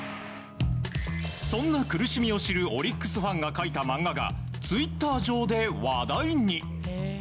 そんな苦しみを知るオリックスファンが描いた漫画がツイッター上で話題に。